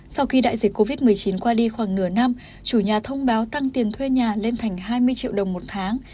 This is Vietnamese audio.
sau khi đại dịch covid một mươi chín qua đi khoảng nửa năm chủ nhà thông báo tăng tiền thuê nhà lên thành hai mươi triệu đồng một tháng